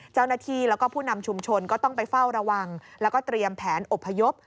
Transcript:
เจ้าหน้าที่แล้วก็ผู้นำชุมชนก็ต้องไปเฝ้าระวังแล้วก็เตรียมแผนอบพยพ